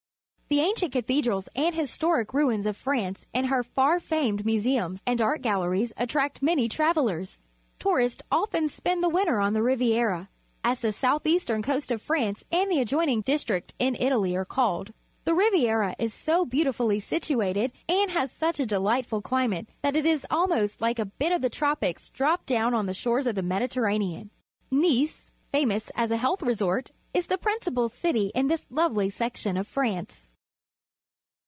— The ancient cathedrals and historic ruins of France and her far famed museums and art galleries attract many travellers. Tourists oiten spend the winter onJhe^^iiierflj^^sTTie^outh eastem coast of France and the adjoining d is t ii ctin Italy are called. The Ri^'iera is so beautifullj' situated and has such a delightful climate that it is almost like a bit of the tropics dropped down on the shores of the ^Mediterranean. jNicfj famous as a health resort, is the principal city in this lovely section of France.